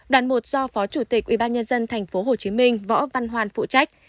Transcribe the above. đoàn một do phó chủ tịch ubnd tp hcm võ văn nguyên